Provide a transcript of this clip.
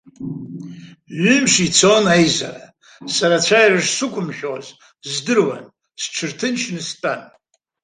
Ҩымш ицон аизара, сара ацәажәара шсықәымшәоз здыруан, сҽырҭынчны стәан.